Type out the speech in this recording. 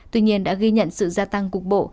tuy nhiên đã ghi nhận sự gia tăng cục bộ